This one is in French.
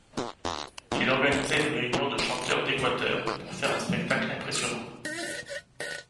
Il organisa une réunion de chanteur d'Équateur, pour faire un spectacle impressionnant.